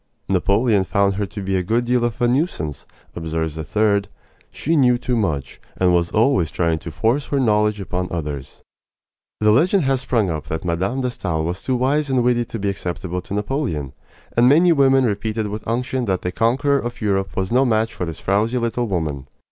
"Napoleon found her to be a good deal of a nuisance," observes a third. "She knew too much, and was always trying to force her knowledge upon others." The legend has sprung up that Mme. de Stael was too wise and witty to be acceptable to Napoleon; and many women repeated with unction that the conqueror of Europe was no match for this frowsy little woman.